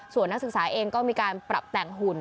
ส่วนนักศึกษาเองก็มีการปรับแต่งหุ่น